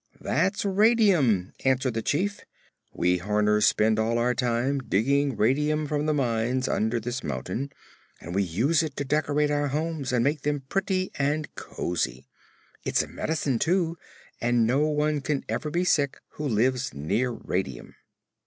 "That's radium," answered the Chief. "We Horners spend all our time digging radium from the mines under this mountain, and we use it to decorate our homes and make them pretty and cosy. It is a medicine, too, and no one can ever be sick who lives near radium."